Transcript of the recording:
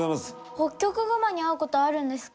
ホッキョクグマに会うことはあるんですか？